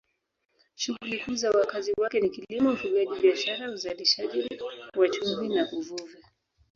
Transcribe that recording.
Shughuli kuu za wakazi wake ni kilimo, ufugaji, biashara, uzalishaji wa chumvi na uvuvi.